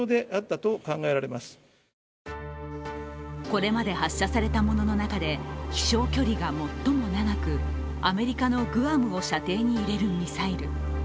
これまで発射されたものの中で飛翔距離が最も長くアメリカのグアムを射程に入れるミサイル。